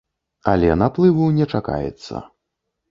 Але наплыву не чакаецца.